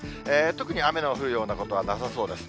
特に雨の降るようなことはなさそうです。